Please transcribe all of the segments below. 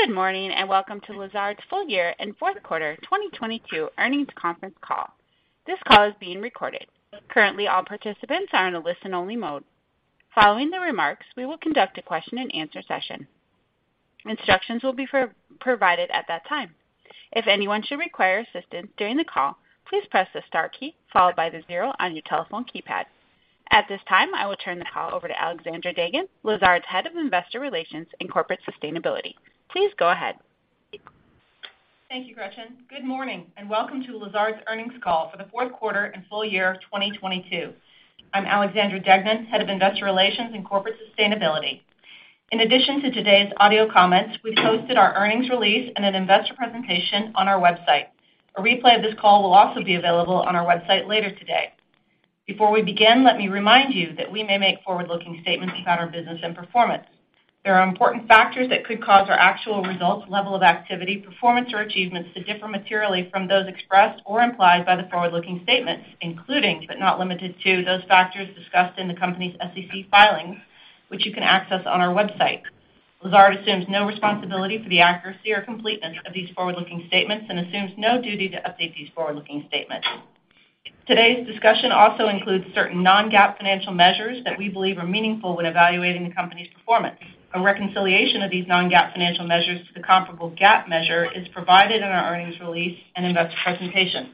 Good morning. Welcome to Lazard's Full Year and Fourth Quarter 2022 Earnings Conference Call. This call is being recorded. Currently, all participants are in a listen-only mode. Following the remarks, we will conduct a question-and-answer session. Instructions will be provided at that time. If anyone should require assistance during the call, please press the star key followed by the zero on your telephone keypad. At this time, I will turn the call over to Alexandra Deignan, Lazard's Head of Investor Relations and Corporate Sustainability. Please go ahead. Thank you, Gretchen. Good morning and welcome to Lazard's Earnings Call for the Fourth Quarter and Full Year of 2022. I'm Alexandra Deignan, Head of Investor Relations and Corporate Sustainability. In addition to today's audio comments, we've posted our earnings release and an investor presentation on our website. A replay of this call will also be available on our website later today. Before we begin, let me remind you that we may make forward-looking statements about our business and performance. There are important factors that could cause our actual results, level of activity, performance, or achievements to differ materially from those expressed or implied by the forward-looking statements, including, but not limited to those factors discussed in the company's SEC filings, which you can access on our website. Lazard assumes no responsibility for the accuracy or completeness of these forward-looking statements and assumes no duty to update these forward-looking statements. Today's discussion also includes certain non-GAAP financial measures that we believe are meaningful when evaluating the company's performance. A reconciliation of these non-GAAP financial measures to the comparable GAAP measure is provided in our earnings release and investor presentations.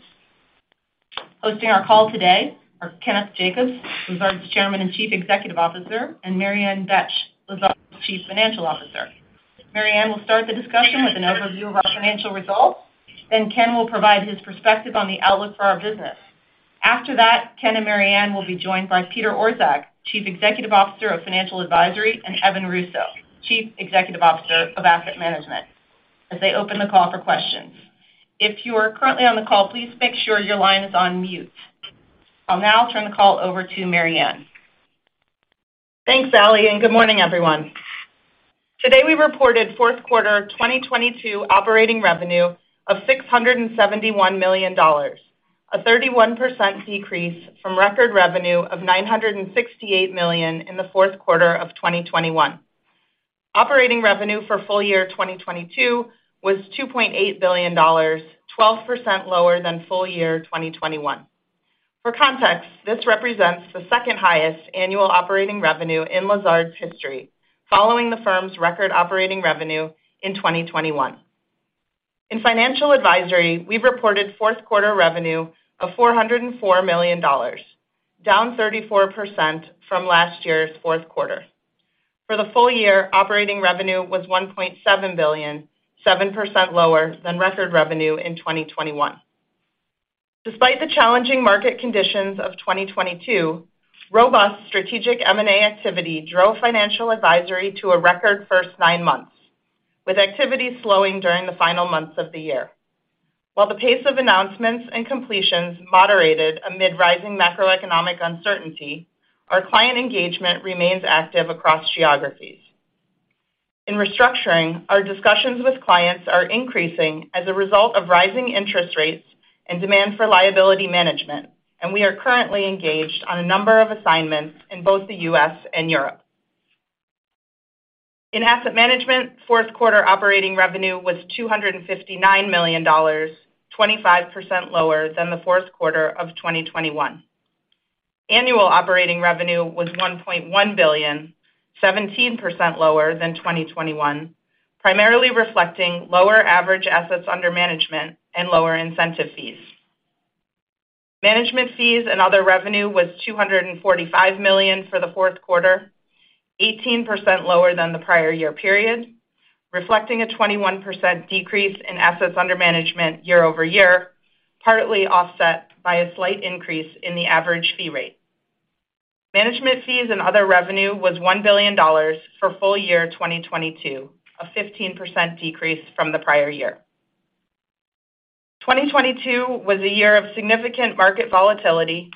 Hosting our call today are Kenneth Jacobs, Lazard's Chairman and Chief Executive Officer, and Mary Ann Betsch, Lazard's Chief Financial Officer. Mary Ann will start the discussion with an overview of our financial results. Ken will provide his perspective on the outlook for our business. After that, Ken and Mary Ann will be joined by Peter Orszag, Chief Executive Officer of Financial Advisory, and Evan Russo, Chief Executive Officer of Asset Management, as they open the call for questions. If you are currently on the call, please make sure your line is on mute. I'll now turn the call over to Mary Ann. Thanks, Alexandra, good morning, everyone. Today, we reported fourth quarter 2022 operating revenue of $671 million, a 31% decrease from record revenue of $968 million in the fourth quarter of 2021. Operating revenue for full year 2022 was $2.8 billion, 12% lower than full year 2021. For context, this represents the second highest annual operating revenue in Lazard's history, following the firm's record operating revenue in 2021. In financial advisory, we've reported fourth quarter revenue of $404 million, down 34% from last year's fourth quarter. For the full year, operating revenue was $1.7 billion, 7% lower than record revenue in 2021. Despite the challenging market conditions of 2022, robust strategic M&A activity drove financial advisory to a record first nine months, with activity slowing during the final months of the year. While the pace of announcements and completions moderated amid rising macroeconomic uncertainty, our client engagement remains active across geographies. In restructuring, our discussions with clients are increasing as a result of rising interest rates and demand for liability management, and we are currently engaged on a number of assignments in both the U.S. and Europe. In asset management, fourth quarter operating revenue was $259 million, 25% lower than the fourth quarter of 2021. Annual operating revenue was $1.1 billion, 17% lower than 2021, primarily reflecting lower average assets under management and lower incentive fees. Management fees and other revenue was $245 million for the fourth quarter, 18% lower than the prior year period, reflecting a 21% decrease in assets under management year-over-year, partly offset by a slight increase in the average fee rate. Management fees and other revenue was $1 billion for full year 2022, a 15% decrease from the prior year. 2022 was a year of significant market volatility,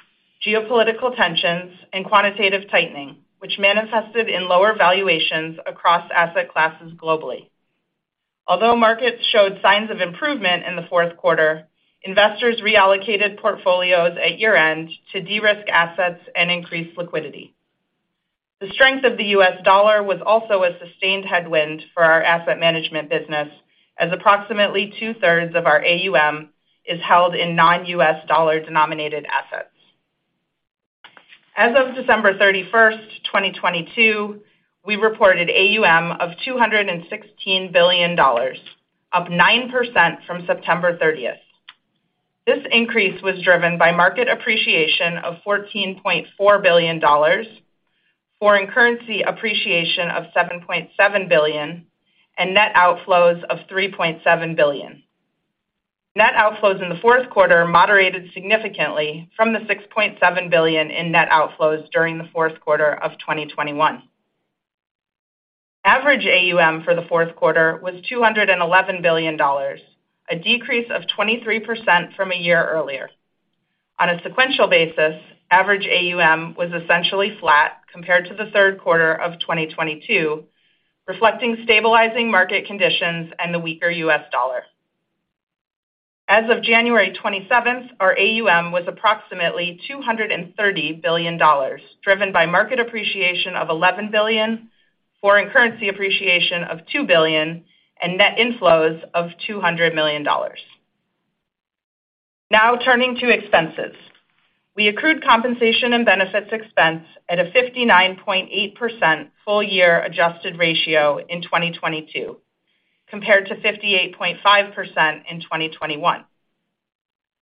geopolitical tensions, and quantitative tightening, which manifested in lower valuations across asset classes globally. Although markets showed signs of improvement in the fourth quarter, investors reallocated portfolios at year-end to de-risk assets and increase liquidity. The strength of the U.S. dollar was also a sustained headwind for our asset management business, as approximately 2/3 of our AUM is held in non-U.S. dollar-denominated assets. As of December 31st, 2022, we reported AUM of $216 billion, up 9% from September 30th. This increase was driven by market appreciation of $14.4 billion, foreign currency appreciation of $7.7 billion, and net outflows of $3.7 billion. Net outflows in the fourth quarter moderated significantly from the $6.7 billion in net outflows during the fourth quarter of 2021. Average AUM for the fourth quarter was $211 billion, a decrease of 23% from a year earlier. On a sequential basis, average AUM was essentially flat compared to the third quarter of 2022, reflecting stabilizing market conditions and the weaker U.S. dollar. As of January 27th, our AUM was approximately $230 billion, driven by market appreciation of $11 billion, foreign currency appreciation of $2 billion, and net inflows of $200 million. Now turning to expenses. We accrued compensation and benefits expense at a 59.84 full year adjusted ratio in 2022 compared to 58.5% in 2021.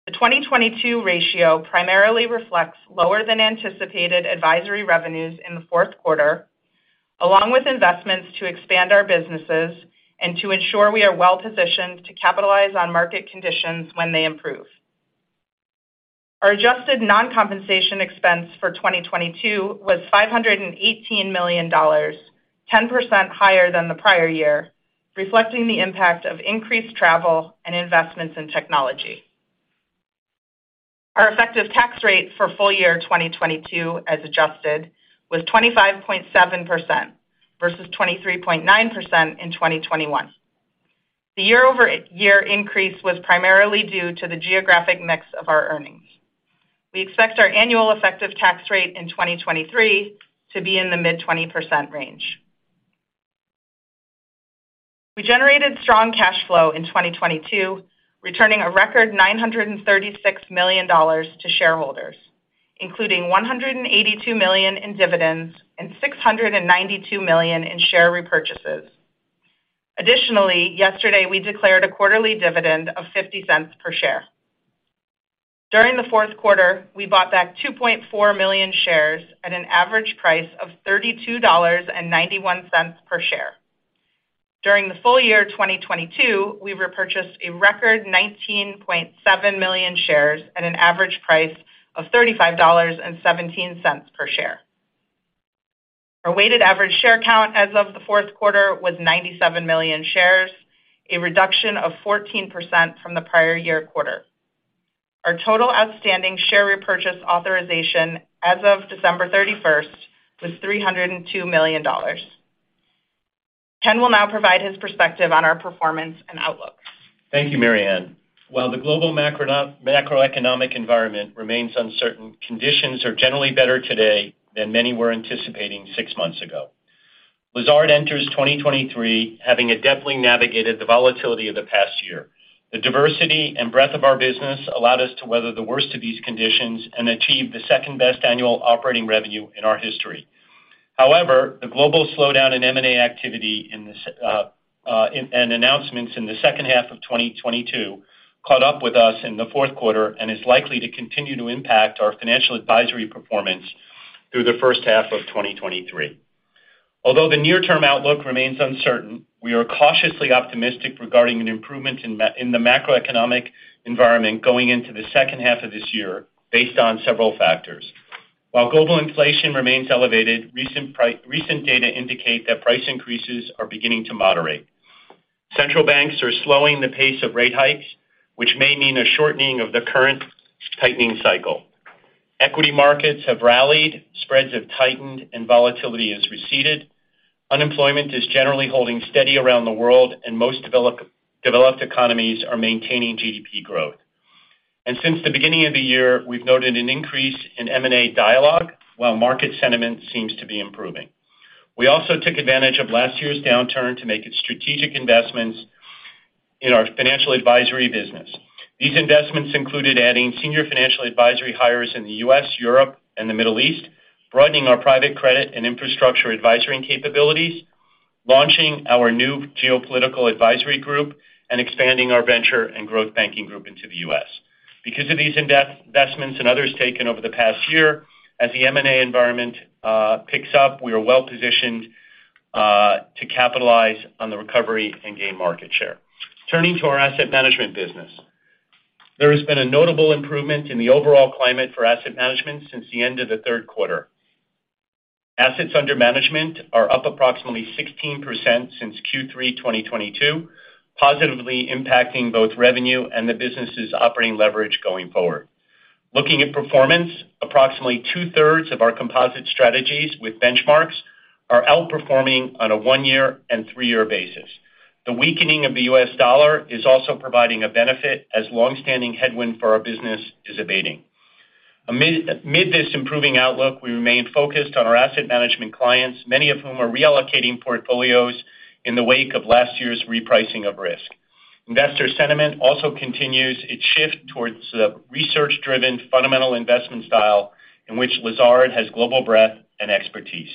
The 2022 ratio primarily reflects lower than anticipated advisory revenues in the fourth quarter, along with investments to expand our businesses and to ensure we are well-positioned to capitalize on market conditions when they improve. Our adjusted non-compensation expense for 2022 was $518 million, 10% higher than the prior year, reflecting the impact of increased travel and investments in technology. Our effective tax rate for full year 2022, as adjusted, was 25.7% versus 23.9% in 2021. The year-over-year increase was primarily due to the geographic mix of our earnings. We expect our annual effective tax rate in 2023 to be in the mid 20% range. We generated strong cash flow in 2022, returning a record $936 million to shareholders, including $182 million in dividends and $692 million in share repurchases. Yesterday, we declared a quarterly dividend of $0.50 per share. During the fourth quarter, we bought back 2.4 million shares at an average price of $32.91 per share. During the full year of 2022, we repurchased a record 19.7 million shares at an average price of $35.17 per share. Our weighted average share count as of the fourth quarter was 97 million shares, a reduction of 14% from the prior year quarter. Our total outstanding share repurchase authorization as of December 31st was $302 million. Ken will now provide his perspective on our performance and outlook. Thank you, Maryann. While the global macroeconomic environment remains uncertain, conditions are generally better today than many were anticipating six months ago. Lazard enters 2023 having adeptly navigated the volatility of the past year. The diversity and breadth of our business allowed us to weather the worst of these conditions and achieve the second-best annual operating revenue in our history. The global slowdown in M&A activity and announcements in the second half of 2022 caught up with us in the fourth quarter and is likely to continue to impact our financial advisory performance through the first half of 2023. Although the near-term outlook remains uncertain, we are cautiously optimistic regarding an improvement in the macroeconomic environment going into the second half of this year based on several factors. While global inflation remains elevated, recent data indicate that price increases are beginning to moderate. Central banks are slowing the pace of rate hikes, which may mean a shortening of the current tightening cycle. Equity markets have rallied, spreads have tightened, and volatility has receded. Unemployment is generally holding steady around the world, and most developed economies are maintaining GDP growth. Since the beginning of the year, we've noted an increase in M&A dialogue, while market sentiment seems to be improving. We also took advantage of last year's downturn to make strategic investments in our financial advisory business. These investments included adding senior financial advisory hires in the U.S., Europe, and the Middle East, broadening our private credit and infrastructure advisory capabilities, launching our new geopolitical advisory group, and expanding our venture and growth banking group into the U.S. Because of these investments and others taken over the past year, as the M&A environment picks up, we are well-positioned to capitalize on the recovery and gain market share. Turning to our asset management business, there has been a notable improvement in the overall climate for asset management since the end of the third quarter. Assets under management are up approximately 16% since Q3 2022, positively impacting both revenue and the business's operating leverage going forward. Looking at performance, approximately 2/3 of our composite strategies with benchmarks are outperforming on a one-year and three-year basis. The weakening of the U.S. dollar is also providing a benefit as long-standing headwind for our business is abating. Amid this improving outlook, we remain focused on our asset management clients, many of whom are reallocating portfolios in the wake of last year's repricing of risk. Investor sentiment also continues its shift towards the research-driven fundamental investment style in which Lazard has global breadth and expertise.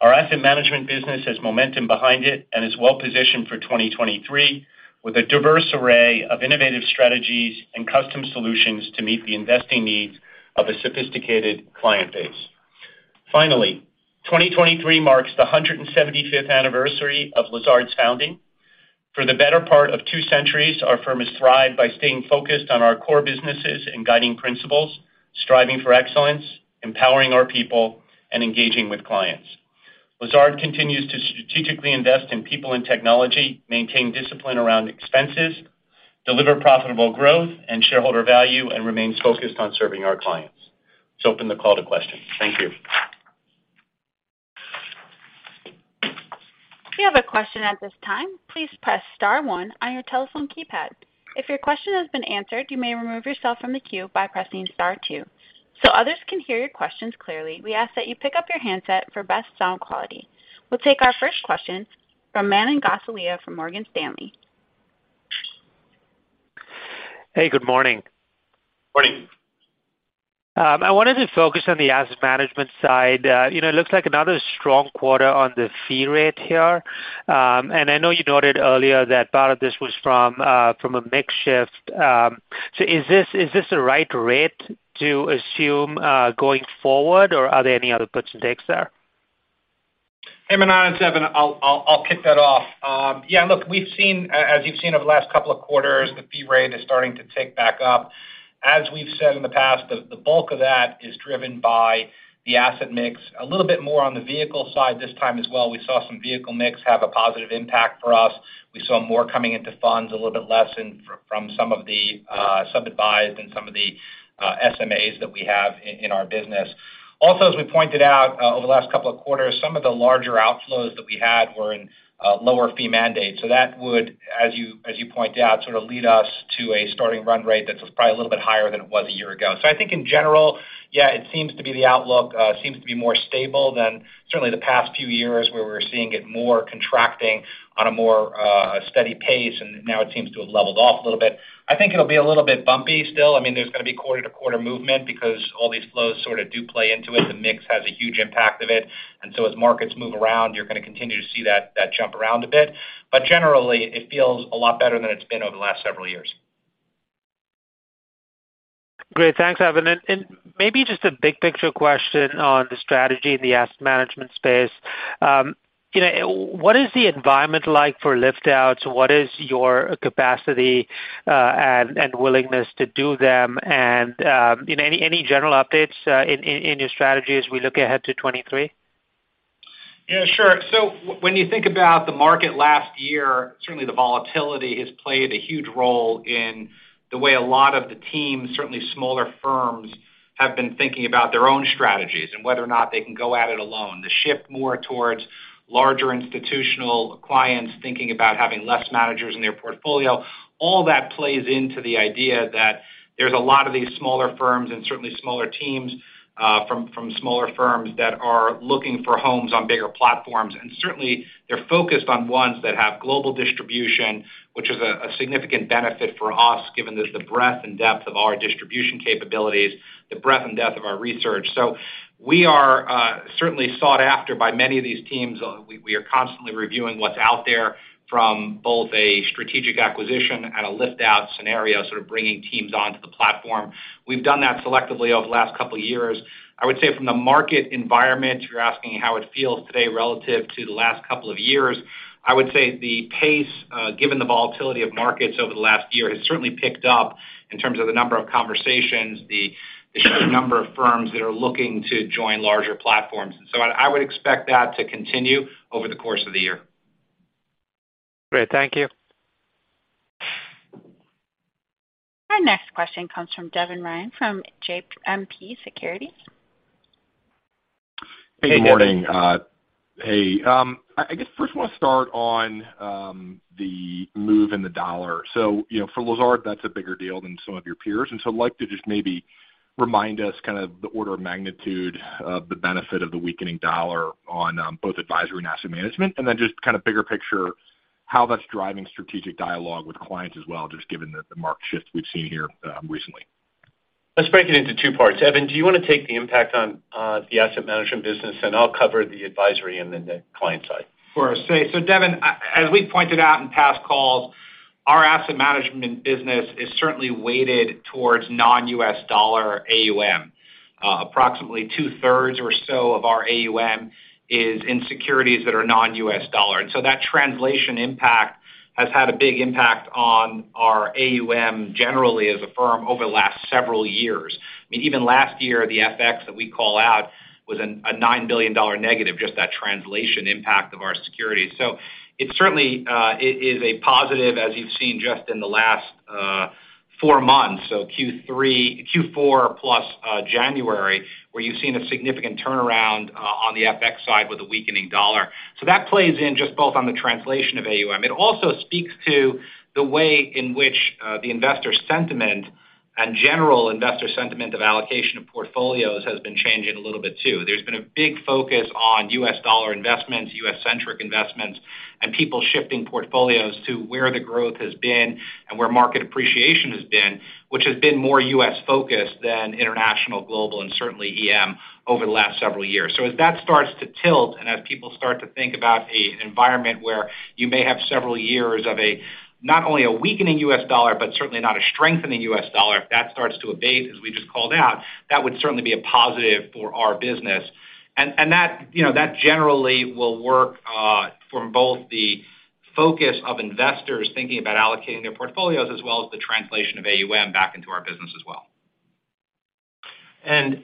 Our asset management business has momentum behind it and is well positioned for 2023 with a diverse array of innovative strategies and custom solutions to meet the investing needs of a sophisticated client base. Finally, 2023 marks the 175th anniversary of Lazard's founding. For the better part of two centuries, our firm has thrived by staying focused on our core businesses and guiding principles, striving for excellence, empowering our people, and engaging with clients. Lazard continues to strategically invest in people and technology, maintain discipline around expenses, deliver profitable growth and shareholder value, and remains focused on serving our clients. Let's open the call to questions. Thank you. You have a question at this time, please press star one on your telephone keypad. If your question has been answered, you may remove yourself from the queue by pressing star two. Others can hear your questions clearly, we ask that you pick up your handset for best sound quality. We'll take our first question from Manan Gosalia from Morgan Stanley. Hey, good morning. Morning. I wanted to focus on the Asset Management side. You know, it looks like another strong quarter on the fee rate here. I know you noted earlier that part of this was from a mix shift. Is this, is this the right rate to assume going forward, or are there any other puts and takes there? Hey, Manan, it's Evan. I'll kick that off. Yeah, look, we've seen as you've seen over the last couple of quarters, the fee rate is starting to tick back up. As we've said in the past, the bulk of that is driven by the asset mix. A little bit more on the vehicle side this time as well. We saw some vehicle mix have a positive impact for us. We saw more coming into funds, a little bit less from some of the sub-advised and some of the SMAs that we have in our business. Also, as we pointed out, over the last couple of quarters, some of the larger outflows that we had were in lower fee mandates. That would, as you point out, sort of lead us to a starting run rate that was probably a little bit higher than it was a year ago. I think in general, yeah, it seems to be the outlook seems to be more stable than certainly the past few years, where we're seeing it more contracting on a more steady pace, and now it seems to have leveled off a little bit. I think it'll be a little bit bumpy still. I mean, there's gonna be quarter-to-quarter movement because all these flows sort of do play into it. The mix has a huge impact of it. As markets move around, you're gonna continue to see that jump around a bit. Generally, it feels a lot better than it's been over the last several years. Great. Thanks, Evan. Maybe just a big picture question on the strategy in the Asset Management space. You know, what is the environment like for lift-outs? What is your capacity, and willingness to do them? You know, any general updates in your strategy as we look ahead to 2023? Yeah, sure. When you think about the market last year, certainly the volatility has played a huge role in the way a lot of the teams, certainly smaller firms, have been thinking about their own strategies and whether or not they can go at it alone. The shift more towards larger institutional clients thinking about having less managers in their portfolio, all that plays into the idea that there's a lot of these smaller firms and certainly smaller teams, from smaller firms that are looking for homes on bigger platforms. Certainly, they're focused on ones that have global distribution, which is a significant benefit for us, given the breadth and depth of our distribution capabilities, the breadth and depth of our research. We are, certainly sought after by many of these teams. We are constantly reviewing what's out there from both a strategic acquisition and a lift-out scenario, sort of bringing teams onto the platform. We've done that selectively over the last couple years. I would say from the market environment, you're asking how it feels today relative to the last couple of years, I would say the pace, given the volatility of markets over the last year, has certainly picked up in terms of the number of conversations, the sort of number of firms that are looking to join larger platforms. I would expect that to continue over the course of the year. Great. Thank you. Our next question comes from Devin Ryan from JMP Securities. Hey, good morning. Hey, I guess first wanna start on the move in the dollar. You know, for Lazard, that's a bigger deal than some of your peers, and so I'd like to just maybe remind us kind of the order of magnitude of the benefit of the weakening dollar on both advisory and asset management, and then just kind of bigger picture, how that's driving strategic dialogue with clients as well, just given the marked shift we've seen here recently. Let's break it into two parts. Evan, do you wanna take the impact on the asset management business, and I'll cover the advisory and then the client side? Sure. Devin, as we pointed out in past calls, our asset management business is certainly weighted towards non-U.S. dollar AUM. Approximately 2/3 or so of our AUM is in securities that are non-U.S. dollar. That translation impact has had a big impact on our AUM generally as a firm over the last several years. I mean, even last year, the FX that we call out was a $9 billion negative, just that translation impact of our securities. It certainly, it is a positive, as you've seen just in the last, four months, Q4+, January, where you've seen a significant turnaround on the FX side with the weakening dollar. That plays in just both on the translation of AUM. It also speaks to the way in which, the investor sentiment and general investor sentiment of allocation of portfolios has been changing a little bit too. There's been a big focus on U.S. dollar investments, U.S.-centric investments, and people shifting portfolios to where the growth has been and where market appreciation has been, which has been more U.S.-focused than international, global, and certainly EM over the last several years. As that starts to tilt, and as people start to think about a environment where you may have several years of a, not only a weakening U.S. dollar, but certainly not a strengthening U.S. dollar, if that starts to abate, as we just called out, that would certainly be a positive for our business. That, you know, that generally will work from both the focus of investors thinking about allocating their portfolios, as well as the translation of AUM back into our business as well.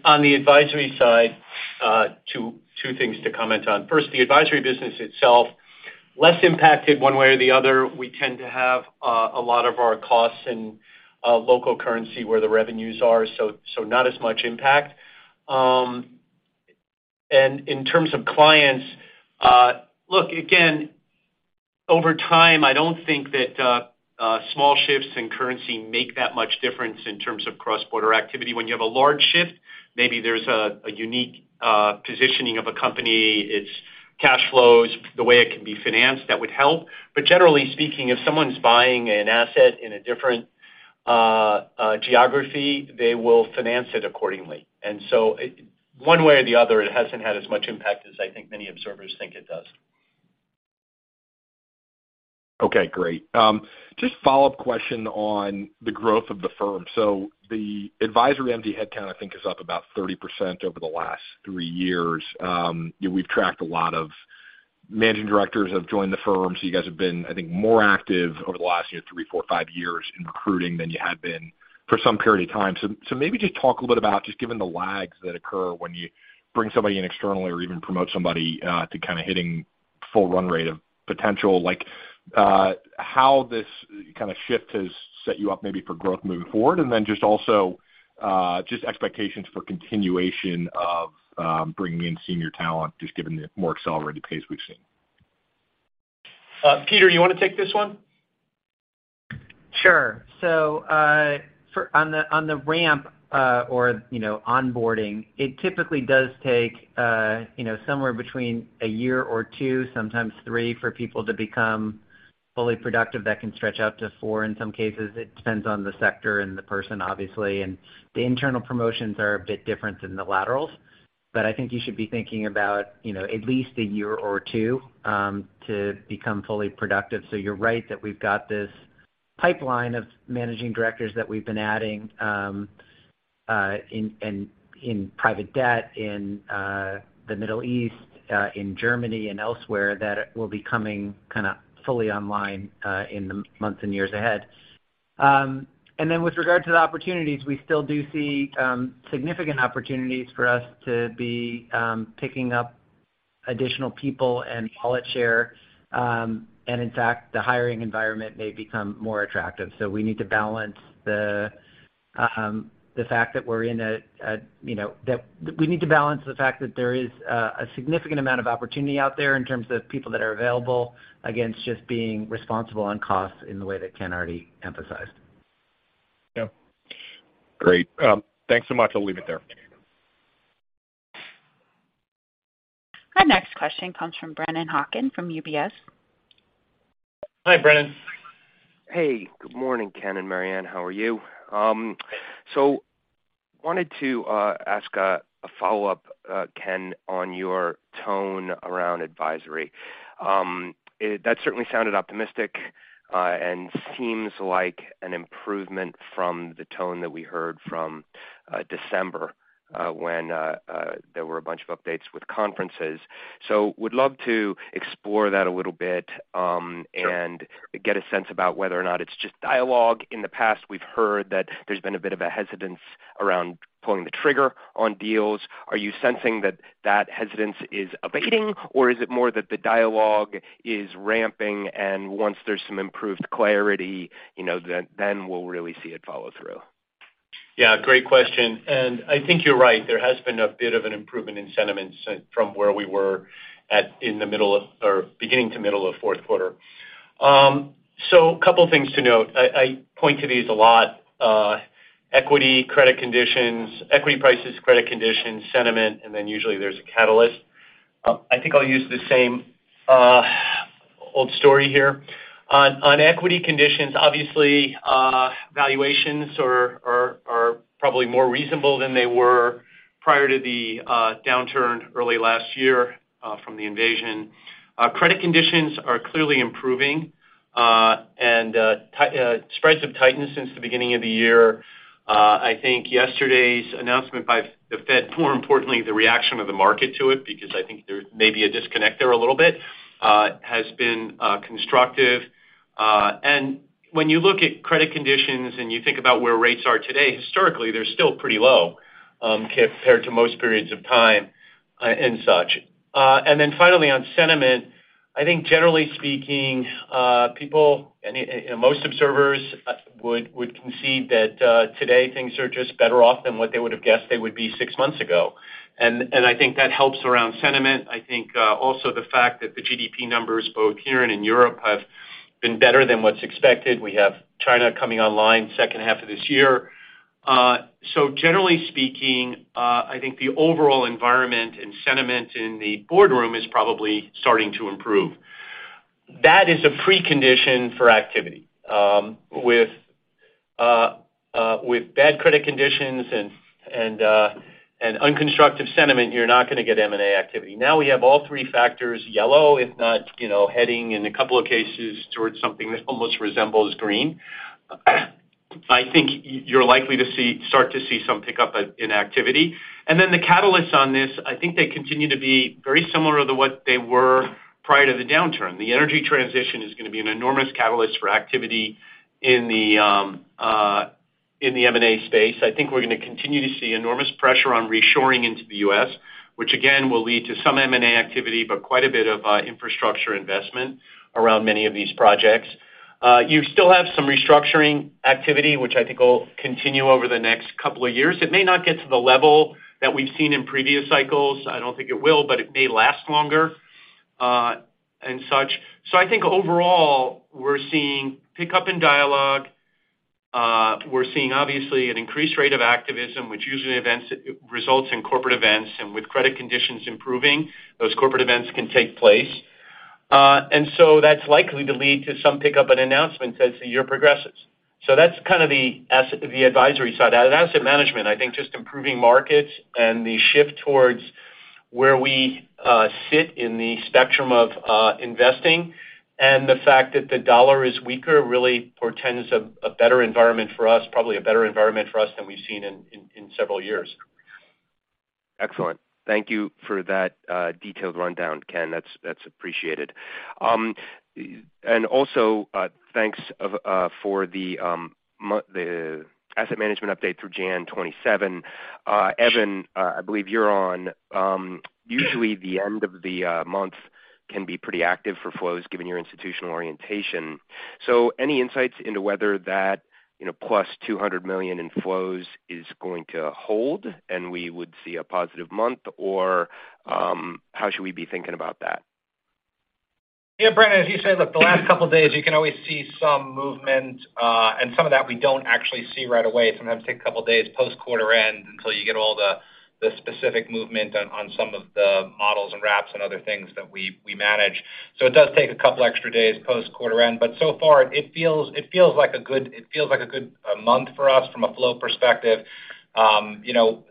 On the advisory side, two things to comment on. First, the advisory business itself, less impacted one way or the other. We tend to have a lot of our costs in local currency where the revenues are, not as much impact. In terms of clients, look, again, over time, I don't think that small shifts in currency make that much difference in terms of cross-border activity. When you have a large shift, maybe there's a unique positioning of a company, its cash flows, the way it can be financed that would help. Generally speaking, if someone's buying an asset in a different geography, they will finance it accordingly. One way or the other, it hasn't had as much impact as I think many observers think it does. Okay, great. Just a follow-up question on the growth of the firm. The advisory MD headcount, I think, is up about 30% over the last two years. We've tracked a lot of Managing Directors have joined the firm. You guys have been, I think, more active over the last three, four, five years in recruiting than you had been for some period of time. Maybe just talk a little bit about just given the lags that occur when you bring somebody in externally or even promote somebody to kind of hitting full run rate of potential, like, how this kinda shift has set you up maybe for growth moving forward. Just also, just expectations for continuation of bringing in senior talent, just given the more accelerated pace we've seen. Peter, you wanna take this one? Sure. on the, on the ramp, or, you know, onboarding, it typically does take, you know, somewhere between a year or two, sometimes three, for people to become fully productive. That can stretch out to four in some cases. It depends on the sector and the person, obviously. The internal promotions are a bit different than the laterals. I think you should be thinking about, you know, at least a year or two, to become fully productive. You're right that we've got this pipeline of managing directors that we've been adding, in private debt, in the Middle East, in Germany and elsewhere that will be coming kinda fully online, in the months and years ahead. Then with regard to the opportunities, we still do see significant opportunities for us to be picking up additional people and wallet share. In fact, the hiring environment may become more attractive. We need to balance the fact that there is a significant amount of opportunity out there in terms of people that are available against just being responsible on costs in the way that Ken already emphasized. Yeah. Great. Thanks so much. I'll leave it there. Our next question comes from Brennan Hawken from UBS. Hi, Brennan. Hey, good morning, Ken and Maryann. How are you? Wanted to ask a follow-up, Ken, on your tone around advisory. That certainly sounded optimistic and seems like an improvement from the tone that we heard from December, when there were a bunch of updates with conferences. Would love to explore that a little bit. Sure. Get a sense about whether or not it's just dialogue. In the past, we've heard that there's been a bit of a hesitance around pulling the trigger on deals. Are you sensing that that hesitance is abating, or is it more that the dialogue is ramping and once there's some improved clarity, you know, then we'll really see it follow through? Yeah, great question. I think you're right. There has been a bit of an improvement in sentiment from where we were at in the middle of or beginning to middle of fourth quarter. Couple things to note. I point to these a lot. Equity, credit conditions, equity prices, credit conditions, sentiment, and then usually there's a catalyst. I think I'll use the same, old story here. On equity conditions, obviously, valuations are probably more reasonable than they were prior to the downturn early last year, from the invasion. Credit conditions are clearly improving, and spreads have tightened since the beginning of the year. I think yesterday's announcement by the Fed, more importantly, the reaction of the market to it, because I think there may be a disconnect there a little bit, has been constructive. When you look at credit conditions and you think about where rates are today, historically, they're still pretty low, compared to most periods of time, and such. Then finally on sentiment, I think generally speaking, people, any, you know, most observers would concede that today things are just better off than what they would have guessed they would be six months ago. I think that helps around sentiment. I think also the fact that the GDP numbers, both here and in Europe, have been better than what's expected. We have China coming online second half of this year. Generally speaking, I think the overall environment and sentiment in the boardroom is probably starting to improve. That is a precondition for activity. With bad credit conditions and unconstructive sentiment, you're not gonna get M&A activity. We have all three factors yellow, if not, you know, heading in a couple of cases towards something that almost resembles green. I think you're likely to start to see some pickup in activity. The catalysts on this, I think they continue to be very similar to what they were prior to the downturn. The energy transition is gonna be an enormous catalyst for activity in the M&A space. I think we're gonna continue to see enormous pressure on reshoring into the U.S., which again, will lead to some M&A activity, but quite a bit of infrastructure investment around many of these projects. You still have some restructuring activity, which I think will continue over the next couple of years. It may not get to the level that we've seen in previous cycles. I don't think it will, but it may last longer and such. I think overall, we're seeing pickup in dialogue. We're seeing obviously an increased rate of activism, which usually results in corporate events. With credit conditions improving, those corporate events can take place. That's likely to lead to some pickup in announcements as the year progresses. That's kind of the advisory side. At Asset Management, I think just improving markets and the shift towards where we sit in the spectrum of investing and the fact that the dollar is weaker really portends a better environment for us, probably a better environment for us than we've seen in several years. Excellent. Thank you for that detailed rundown, Ken. That's appreciated. Also, thanks for the asset management update through January 27. Evan, I believe you're on, usually the end of the month can be pretty active for flows given your institutional orientation. Any insights into whether that, you know, +$200 million in flows is going to hold and we would see a positive month, or how should we be thinking about that? Brennan Hawken, as you say, look, the last couple of days you can always see some movement, and some of that we don't actually see right away. Sometimes it takes a couple of days post quarter end until you get all the specific movement on some of the models and wraps and other things that we manage. It does take a couple extra days post quarter end. So far it feels like a good month for us from a flow perspective. You know,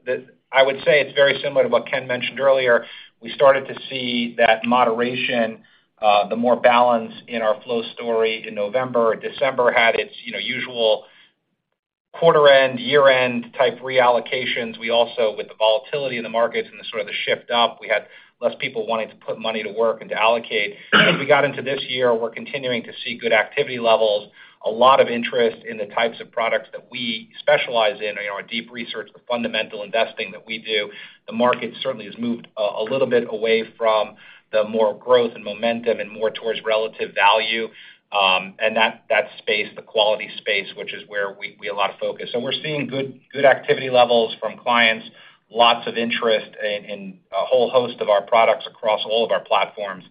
I would say it's very similar to what Kenneth Jacobs mentioned earlier. We started to see that moderation, the more balance in our flow story in November. December had its, you know, usual quarter end, year-end type reallocations. We also, with the volatility in the markets and the sort of the shift up, we had less people wanting to put money to work and to allocate. We got into this year, we're continuing to see good activity levels, a lot of interest in the types of products that we specialize in, you know, our deep research, the fundamental investing that we do. The market certainly has moved a little bit away from the more growth and momentum and more towards relative value, and that space, the quality space, which is where we allow to focus. We're seeing good activity levels from clients, lots of interest in a whole host of our products across all of our platforms.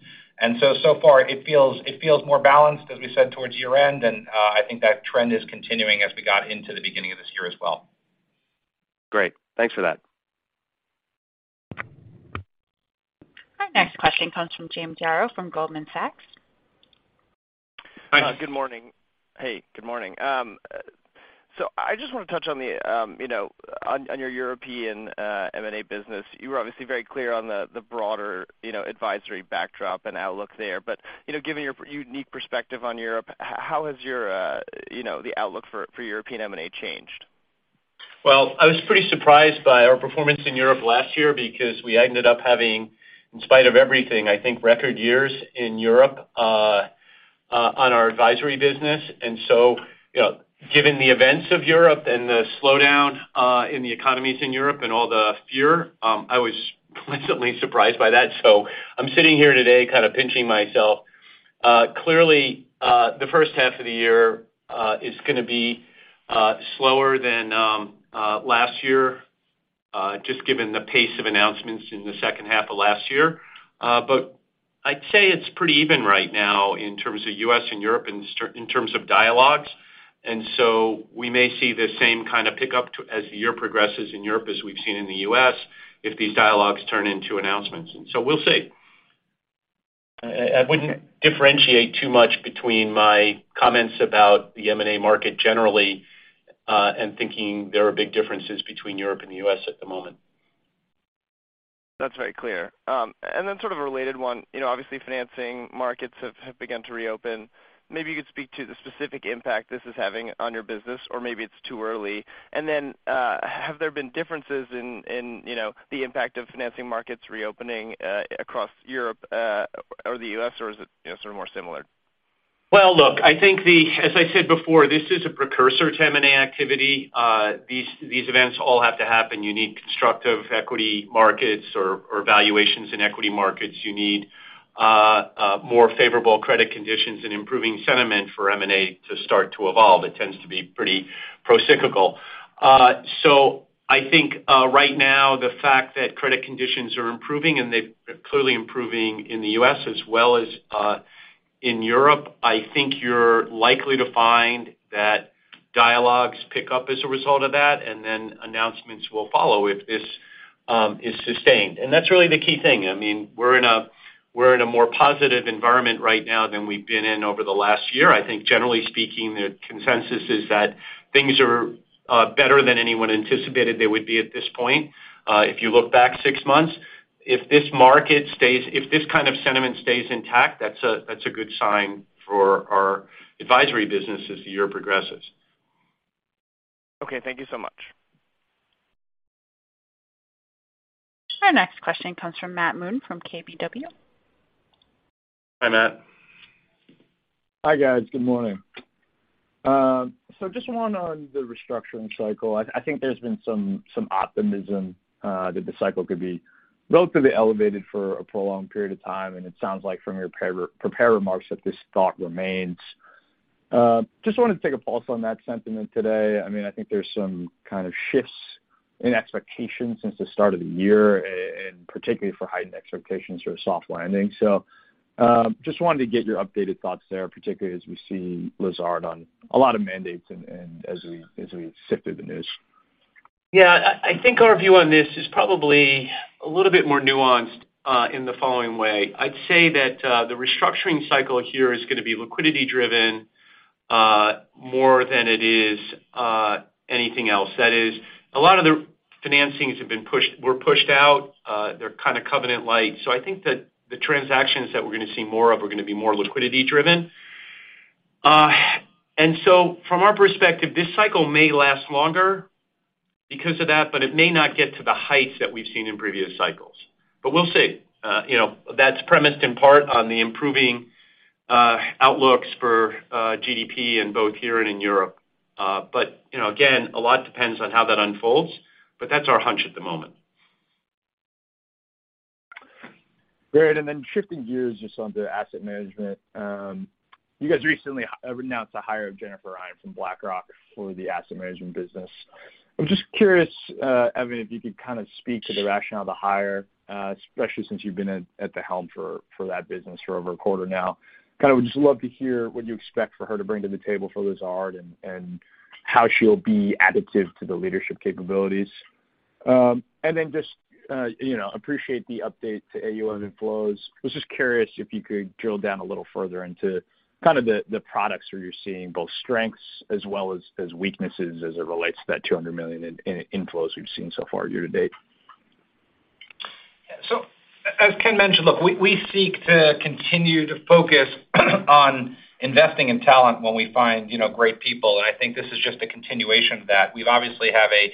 So far it feels more balanced, as we said, towards year-end, and I think that trend is continuing as we got into the beginning of this year as well. Great. Thanks for that. Our next question comes from James Yarrow from Goldman Sachs. Hi. Good morning. Hey, good morning. I just wanna touch on the, you know, on your European M&A business. You were obviously very clear on the broader, you know, advisory backdrop and outlook there. You know, given your unique perspective on Europe, how has your, you know, the outlook for European M&A changed? Well, I was pretty surprised by our performance in Europe last year because we ended up having, in spite of everything, I think, record years in Europe on our advisory business. You know, given the events of Europe and the slowdown in the economies in Europe and all the fear, I was pleasantly surprised by that. I'm sitting here today kind of pinching myself. Clearly, the first half of the year is gonna be slower than last year, just given the pace of announcements in the second half of last year. I'd say it's pretty even right now in terms of U.S. and Europe in terms of dialogues. We may see the same kind of pickup as the year progresses in Europe as we've seen in the U.S., if these dialogues turn into announcements. We'll see. I wouldn't differentiate too much between my comments about the M&A market generally, and thinking there are big differences between Europe and the U.S. at the moment. That's very clear. Sort of a related one. You know, obviously, financing markets have begun to reopen. Maybe you could speak to the specific impact this is having on your business, or maybe it's too early. Have there been differences in, you know, the impact of financing markets reopening, across Europe, or the U.S., or is it, you know, sort of more similar? Well, look, I think as I said before, this is a precursor to M&A activity. These events all have to happen. You need constructive equity markets or valuations in equity markets. You need more favorable credit conditions and improving sentiment for M&A to start to evolve. It tends to be pretty procyclical. I think right now the fact that credit conditions are improving and they're clearly improving in the U.S. as well as in Europe, I think you're likely to find that dialogues pick up as a result of that, then announcements will follow if this is sustained. That's really the key thing. I mean, we're in a, we're in a more positive environment right now than we've been in over the last year. I think generally speaking, the consensus is that things are better than anyone anticipated they would be at this point, if you look back six months. If this kind of sentiment stays intact, that's a, that's a good sign for our advisory business as the year progresses. Okay, thank you so much. Our next question comes from Matt Moon from KBW. Hi, Matt. Hi, guys. Good morning. Just one on the restructuring cycle. I think there's been some optimism that the cycle could be relatively elevated for a prolonged period of time, and it sounds like from your pre-prepared remarks that this thought remains. Just wanted to take a pulse on that sentiment today. I mean, I think there's some kind of shifts in expectations since the start of the year, and particularly for heightened expectations for a soft landing. Just wanted to get your updated thoughts there, particularly as we see Lazard on a lot of mandates and as we sift through the news. Yeah. I think our view on this is probably a little bit more nuanced in the following way. I'd say that the restructuring cycle here is gonna be liquidity driven more than it is anything else. That is, a lot of the financings were pushed out. They're kinda covenant light. I think that the transactions that we're gonna see more of are gonna be more liquidity driven. From our perspective, this cycle may last longer because of that, but it may not get to the heights that we've seen in previous cycles. We'll see. You know, that's premised in part on the improving outlooks for GDP and both here and in Europe. You know, again, a lot depends on how that unfolds, but that's our hunch at the moment. Great. Shifting gears just onto asset management. You guys recently announced the hire of Jennifer Hine from BlackRock for the asset management business. I'm just curious, Evan, if you could kinda speak to the rationale of the hire, especially since you've been at the helm for that business for over a quarter now. Kinda would just love to hear what you expect for her to bring to the table for Lazard and how she'll be additive to the leadership capabilities. Then just, you know, appreciate the update to AUM inflows. Was just curious if you could drill down a little further into kind of the products where you're seeing both strengths as well as weaknesses as it relates to that $200 million inflows we've seen so far year to date. As Ken mentioned, look, we seek to continue to focus on investing in talent when we find, you know, great people, and I think this is just a continuation of that. We obviously have a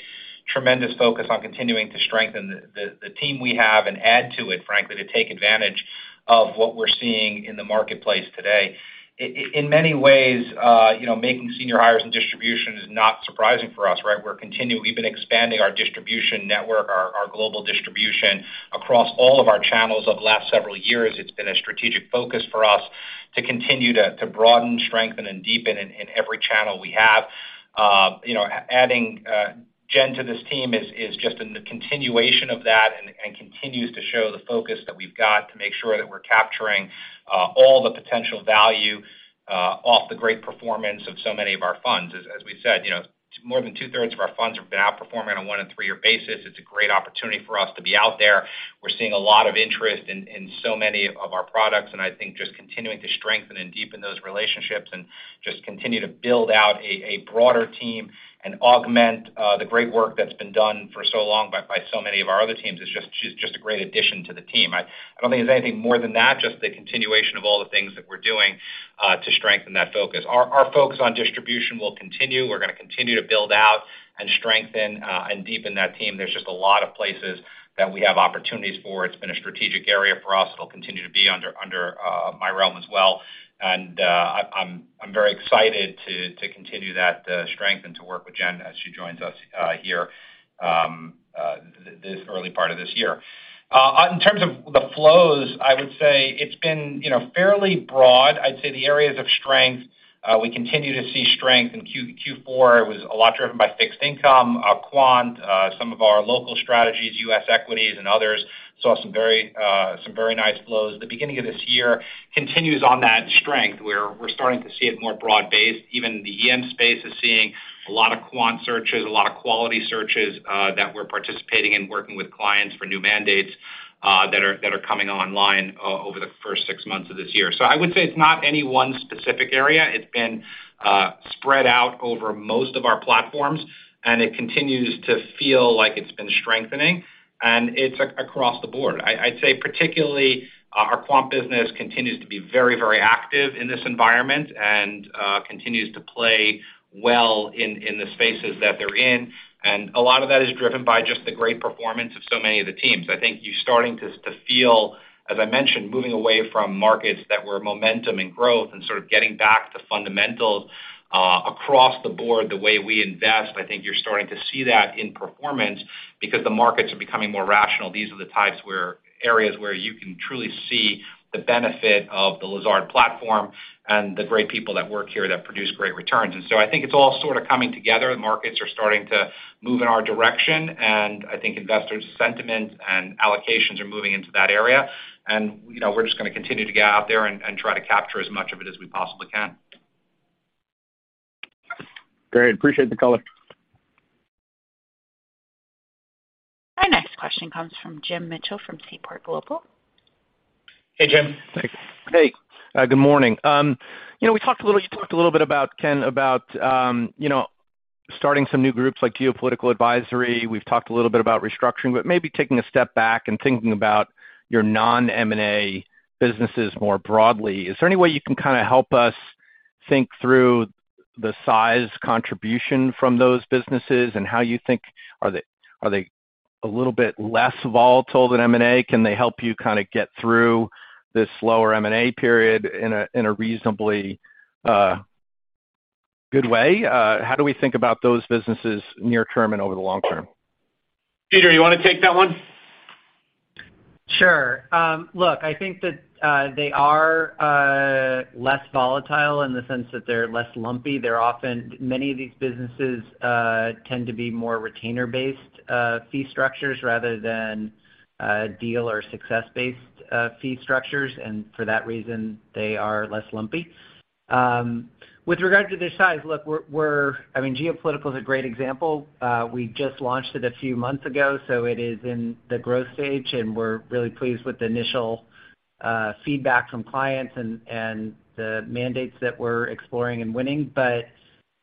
tremendous focus on continuing to strengthen the team we have and add to it, frankly, to take advantage of what we're seeing in the marketplace today. In many ways, you know, making senior hires in distribution is not surprising for us, right? We've been expanding our distribution network, our global distribution across all of our channels over the last several years. It's been a strategic focus for us to continue to broaden, strengthen, and deepen in every channel we have. You know, adding Jen to this team is just in the continuation of that and continues to show the focus that we've got to make sure that we're capturing all the potential value off the great performance of so many of our funds. As we've said, you know, more than two-thirds of our funds have been outperforming on a one and three year basis. It's a great opportunity for us to be out there. We're seeing a lot of interest in so many of our products, and I think just continuing to strengthen and deepen those relationships and just continue to build out a broader team and augment the great work that's been done for so long by so many of our other teams is just, she's just a great addition to the team. I don't think there's anything more than that, just the continuation of all the things that we're doing to strengthen that focus. Our focus on distribution will continue. We're gonna continue to build out and strengthen and deepen that team. There's just a lot of places that we have opportunities for. It's been a strategic area for us. It'll continue to be under my realm as well. I'm very excited to continue that strength and to work with Jen as she joins us here this early part of this year. In terms of the flows, I would say it's been, you know, fairly broad. I'd say the areas of strength, we continue to see strength in Q4. It was a lot driven by fixed income, quant, some of our local strategies, U.S. equities, and others saw some very, some very nice flows. The beginning of this year continues on that strength, where we're starting to see it more broad-based. Even the EM space is seeing a lot of quant searches, a lot of quality searches, that we're participating in working with clients for new mandates, that are coming online over the first six months of this year. I would say it's not any one specific area. It's been, spread out over most of our platforms, and it continues to feel like it's been strengthening, and it's across the board. I'd say particularly our quant business continues to be very, very active in this environment and continues to play well in the spaces that they're in. A lot of that is driven by just the great performance of so many of the teams. I think you're starting to feel, as I mentioned, moving away from markets that were momentum and growth and sort of getting back to fundamentals across the board the way we invest. I think you're starting to see that in performance because the markets are becoming more rational. These are the areas where you can truly see the benefit of the Lazard platform and the great people that work here that produce great returns. I think it's all sort of coming together. The markets are starting to move in our direction, and I think investors' sentiment and allocations are moving into that area. You know, we're just gonna continue to get out there and try to capture as much of it as we possibly can. Great. Appreciate the color. Our next question comes from Jim Mitchell from Seaport Global. Hey, Jim. Thanks. Hey, good morning. you know, you talked a little bit about, Ken, about, you know, starting some new groups like geopolitical advisory. We've talked a little bit about restructuring. Maybe taking a step back and thinking about your non-M&A businesses more broadly, is there any way you can kinda help us think through the size contribution from those businesses and how you think, are they a little bit less volatile than M&A? Can they help you kind of get through this slower M&A period in a reasonably good way? How do we think about those businesses near term and over the long term? Peter, you wanna take that one? Sure. Look, I think that they are less volatile in the sense that they're less lumpy. Many of these businesses tend to be more retainer-based fee structures rather than deal or success-based fee structures. For that reason, they are less lumpy. With regard to the size, look, I mean, geopolitical is a great example. We just launched it a few months ago, so it is in the growth stage, and we're really pleased with the initial feedback from clients and the mandates that we're exploring and winning.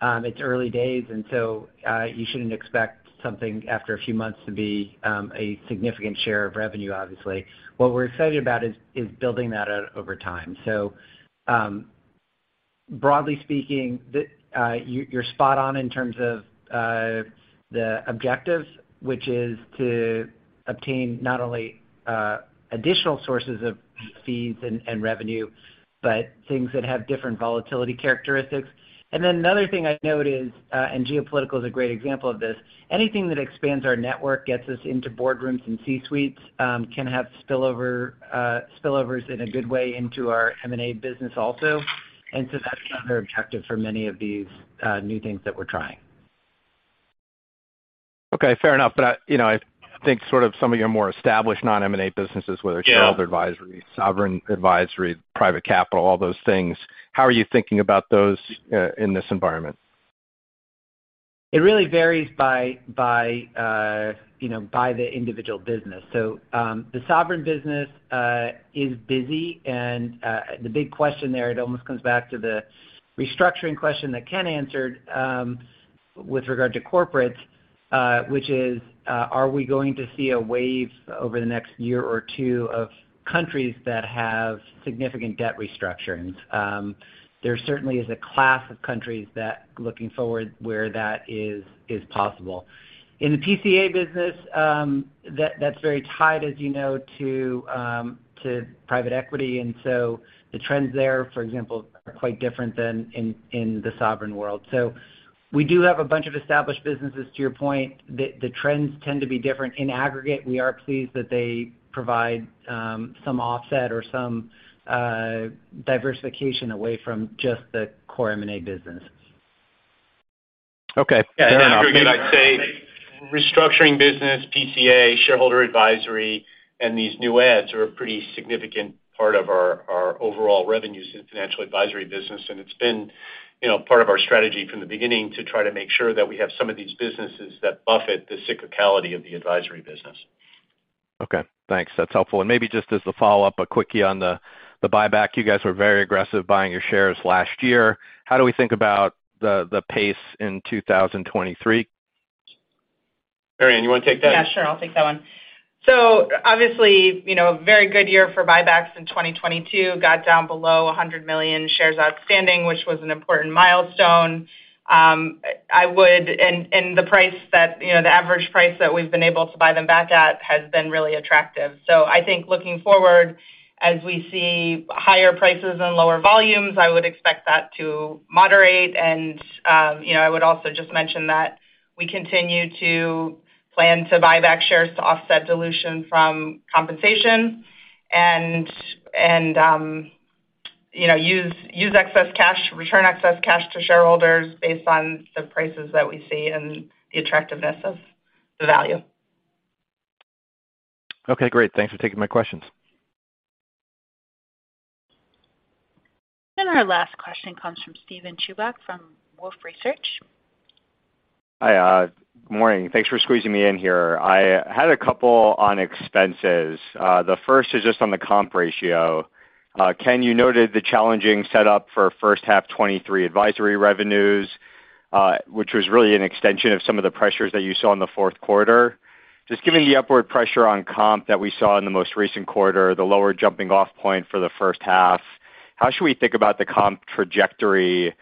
It's early days, so you shouldn't expect something after a few months to be a significant share of revenue, obviously. What we're excited about is building that out over time. Broadly speaking, you're spot on in terms of the objectives, which is to obtain not only additional sources of fees and revenue, but things that have different volatility characteristics. Another thing I'd note is, and geopolitical is a great example of this, anything that expands our network gets us into boardrooms and C-suites, can have spillovers in a good way into our M&A business also. That's another objective for many of these new things that we're trying. Okay. Fair enough. I, you know, I think sort of some of your more established non-M&A businesses, whether it's... Yeah... shareholder advisory, sovereign advisory, private capital, all those things, how are you thinking about those, in this environment? It really varies by, you know, by the individual business. The sovereign business is busy, and the big question there, it almost comes back to the restructuring question that Ken answered, with regard to corporate, which is, are we going to see a wave over the next year or two of countries that have significant debt restructurings? There certainly is a class of countries that looking forward where that is possible. In the PCA business, that's very tied, as you know, to private equity, the trends there, for example, are quite different than in the sovereign world. We do have a bunch of established businesses, to your point. The trends tend to be different. In aggregate, we are pleased that they provide some offset or some diversification away from just the core M&A businesses. Okay. Fair enough. Yeah. In aggregate, I'd say restructuring business, PCA, shareholder advisory, and these new ads are a pretty significant part of our overall revenues in financial advisory business. It's been, you know, part of our strategy from the beginning to try to make sure that we have some of these businesses that buffet the cyclicality of the advisory business. Okay. Thanks. That's helpful. Maybe just as a follow-up, a quickie on the buyback. You guys were very aggressive buying your shares last year. How do we think about the pace in 2023? Mary Ann, you wanna take that? Yeah, sure. I'll take that one. Obviously, you know, very good year for buybacks in 2022. Got down below 100 million shares outstanding, which was an important milestone. The price that, you know, the average price that we've been able to buy them back at has been really attractive. I think looking forward, as we see higher prices and lower volumes, I would expect that to moderate. You know, I would also just mention that we continue to plan to buy back shares to offset dilution from compensation and, you know, use excess cash, return excess cash to shareholders based on the prices that we see and the attractiveness of the value. Okay. Great. Thanks for taking my questions. Our last question comes from Steven Chuback from Wolfe Research. Hi. Good morning. Thanks for squeezing me in here. I had a couple on expenses. The first is just on the comp ratio. Ken, you noted the challenging set up for first half 2023 advisory revenues, which was really an extension of some of the pressures that you saw in the fourth quarter. Just given the upward pressure on comp that we saw in the most recent quarter, the lower jumping off point for the first half, how should we think about the comp trajectory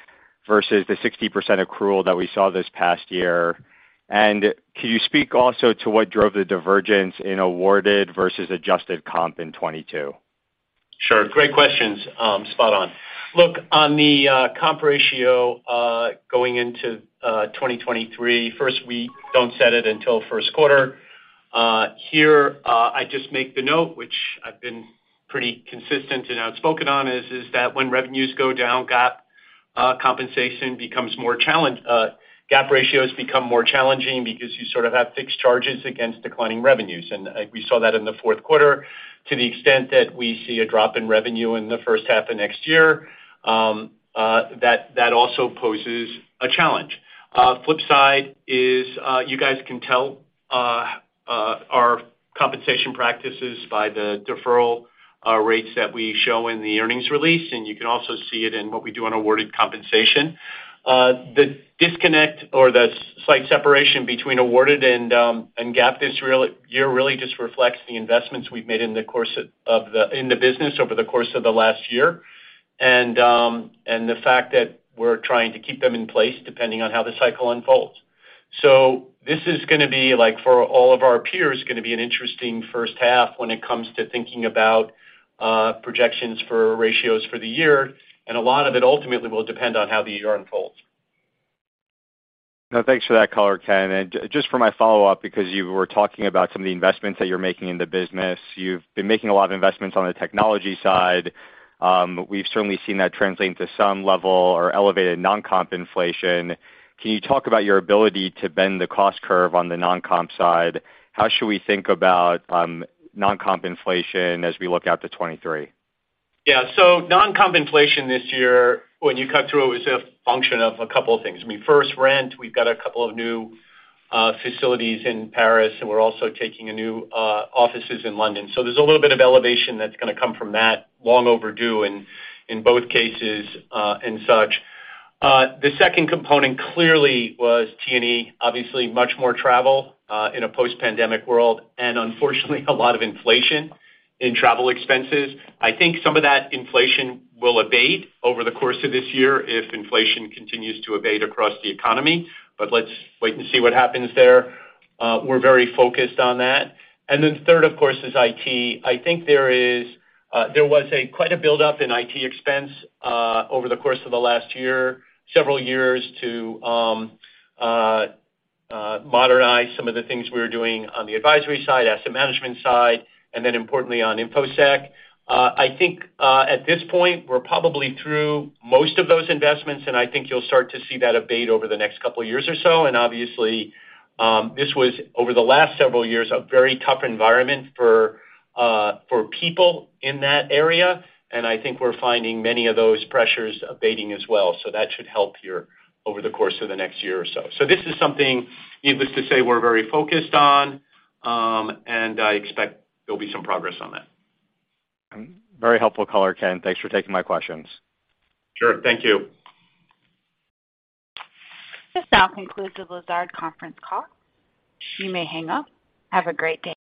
versus the 60% accrual that we saw this past year? Could you speak also to what drove the divergence in awarded versus adjusted comp in 2022? Sure. Great questions. Spot on. Look, on the comp ratio, going into 2023, first, we don't set it until first quarter. Here, I just make the note, which I've been pretty consistent and outspoken on, is that when revenues go down, GAAP ratios become more challenging because you sort of have fixed charges against declining revenues. We saw that in the fourth quarter. To the extent that we see a drop in revenue in the first half of next year, that also poses a challenge. Flip side is, you guys can tell our compensation practices by the deferral rates that we show in the earnings release, and you can also see it in what we do on awarded compensation. The disconnect or the slight separation between awarded and GAAP this year really just reflects the investments we've made in the course of the business over the course of the last year. The fact that we're trying to keep them in place depending on how the cycle unfolds. This is gonna be, like for all of our peers, gonna be an interesting first half when it comes to thinking about projections for ratios for the year, and a lot of it ultimately will depend on how the year unfolds. Thanks for that color, Ken. Just for my follow-up, because you were talking about some of the investments that you're making in the business. You've been making a lot of investments on the technology side. We've certainly seen that translate into some level or elevated non-comp inflation. Can you talk about your ability to bend the cost curve on the non-comp side? How should we think about non-comp inflation as we look out to 2023? Yeah. non-comp inflation this year, when you cut through, is a function of a couple of things. I mean, first, rent. We've got a couple of new facilities in Paris, and we're also taking a new offices in London. there's a little bit of elevation that's gonna come from that, long overdue in both cases, and such. The second component clearly was T&E, obviously much more travel in a post-pandemic world, and unfortunately, a lot of inflation in travel expenses. I think some of that inflation will abate over the course of this year if inflation continues to abate across the economy, but let's wait and see what happens there. We're very focused on that. then third, of course, is IT. I think there was a quite a buildup in IT expense over the course of the last year, several years to modernize some of the things we were doing on the advisory side, asset management side, and then importantly on InfoSec. I think at this point, we're probably through most of those investments, and I think you'll start to see that abate over the next couple of years or so. Obviously, this was, over the last several years, a very tough environment for people in that area, and I think we're finding many of those pressures abating as well. That should help your over the course of the next year or so. This is something, needless to say, we're very focused on, and I expect there'll be some progress on that. Very helpful color, Ken. Thanks for taking my questions. Sure. Thank you. This now concludes the Lazard conference call. You may hang up. Have a great day.